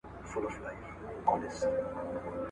تر څو چي دا د اسلامي احکامو او ادابو مراعاتوونکې وي.